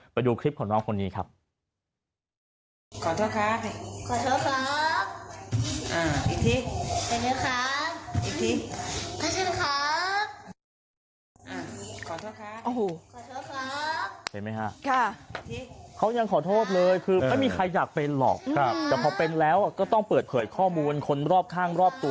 ไปดูคลิปของน้องคนนี้ครับ